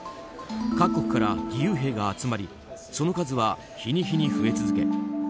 各国から義勇兵が集まりその数は日に日に増え続け